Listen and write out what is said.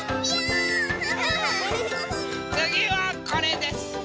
つぎはこれです。